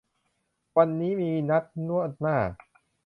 วันนี้มีนัดนวดหน้า